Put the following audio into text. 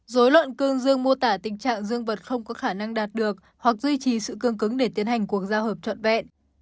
dối loạn cương dương mô tả tình trạng dương vật không có khả năng đạt được hoặc duy trì sự cương cứng để tiến hành cuộc giao hợp trọn vẹn